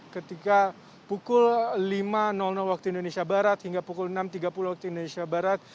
ketika pukul lima waktu indonesia barat hingga pukul enam tiga puluh waktu indonesia barat